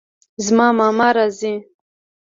زما ماما راځي